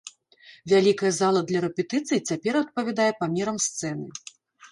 Вялікая зала для рэпетыцый, цяпер адпавядае памерам сцэны.